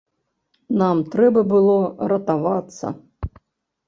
Нам трэба было ратавацца.